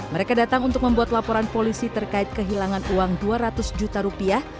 mereka datang untuk membuat laporan polisi terkait kehilangan uang dua ratus juta rupiah